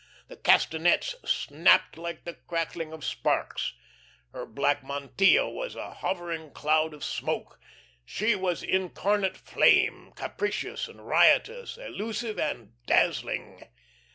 The castanets snapped like the crackling of sparks; her black mantilla was a hovering cloud of smoke. She was incarnate flame, capricious and riotous, elusive and dazzling.